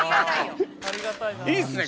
いいっすね。